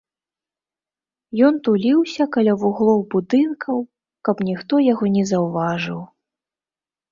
Ён туліўся каля вуглоў будынкаў, каб ніхто яго не заўважыў.